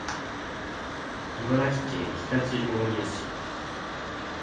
茨城県常陸大宮市